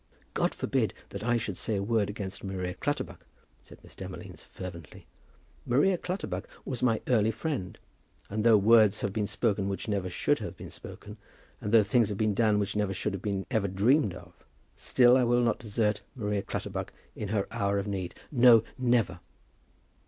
"God forbid that I should say a word against Maria Clutterbuck," said Miss Demolines, fervently. "Maria Clutterbuck was my early friend, and though words have been spoken which never should have been spoken, and though things have been done which never should have been even dreamed of, still I will not desert Maria Clutterbuck in her hour of need. No, never!"